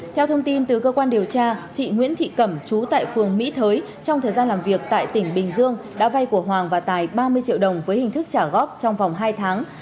theo thông tin từ cơ quan điều tra chị nguyễn thị cẩm trú tại phường mỹ thới trong thời gian làm việc tại tỉnh bình dương đã vay của hoàng và tài ba mươi triệu đồng với hình thức trả góp trong vòng hai tháng